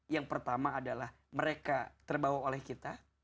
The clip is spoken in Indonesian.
yang pertama adalah mereka terbawa oleh kita